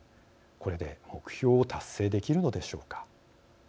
これで目標を達成できるのでしょうか。